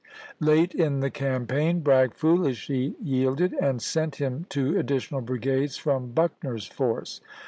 Late in the campaign, Bragg foolishly yielded, and sent him two additional brigades from Buckner's force.